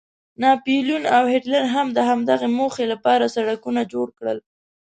ناپلیون او هیټلر هم د همدغې موخې لپاره سړکونه جوړ کړل.